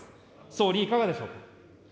総理、いかがでしょうか。